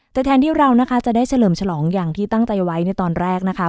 แต่แทนที่เรานะคะจะได้เฉลิมฉลองอย่างที่ตั้งใจไว้ในตอนแรกนะคะ